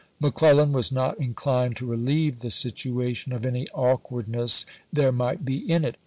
McClellan was not inclined to relieve the situation of any awkwardness there might be in it.